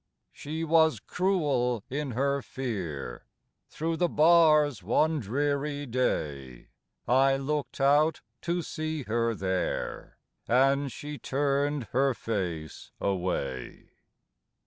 She was cruel in her fear; Through the bars one dreary day, I looked out to see her there, And she turned her face away!